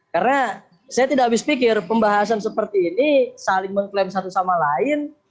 karena saya tidak habis pikir pembahasan seperti ini saling mengklaim satu sama lain